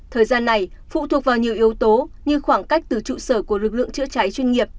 thời gian này phụ thuộc vào nhiều yếu tố như khoảng cách từ trụ sở của lực lượng chữa cháy chuyên nghiệp